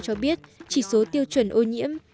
cho biết chỉ số tiêu chuẩn ô nhiễm